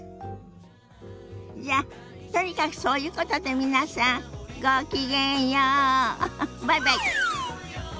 じゃとにかくそういうことで皆さんごきげんようバイバイ。